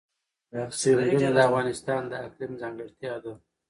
سیندونه د افغانستان د اقلیم ځانګړتیا ده.